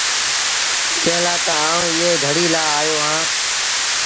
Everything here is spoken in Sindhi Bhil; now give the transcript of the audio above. ڪݩهݩ لآ تا آئوٚنٚ ايٚئي گھڙيٚ لآ آيو اهآنٚ۔